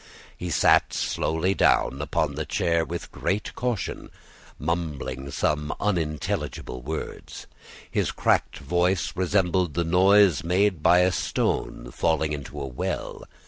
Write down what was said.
He sat slowly down upon his chair with great caution, mumbling some unintelligible words. His cracked voice resembled the noise made by a stone falling into a well.